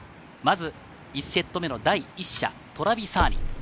１セット目の第１射、トラビサーニ。